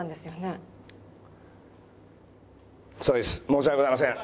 申し訳ございません。